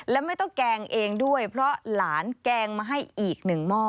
และไม่ต้องแกงเองด้วยเพราะหลานแกงมาให้อีกหนึ่งหม้อ